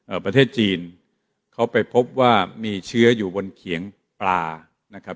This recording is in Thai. ประเทศจีนเขาไปพบว่ามีเชื้ออยู่บนเขียงปลานะครับ